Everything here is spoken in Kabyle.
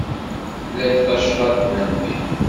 Fell-ak tacḍaḍt n Nnbi.